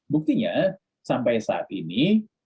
buktinya sampai saat ini